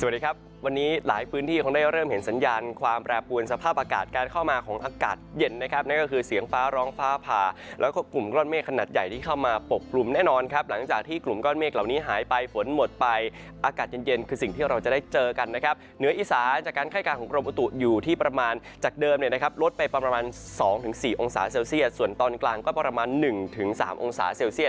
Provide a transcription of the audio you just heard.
สวัสดีครับวันนี้หลายพื้นที่คงได้เริ่มเห็นสัญญาณความแปรปรวนสภาพอากาศการเข้ามาของอากาศเย็นนะครับนั่นก็คือเสียงฟ้าร้องฟ้าผ่าแล้วก็กลุ่มก้อนเมฆขนาดใหญ่ที่เข้ามาปกกลุ่มแน่นอนครับหลังจากที่กลุ่มก้อนเมฆเหล่านี้หายไปฝนหมดไปอากาศเย็นคือสิ่งที่เราจะได้เจอกันนะครับเหนืออิส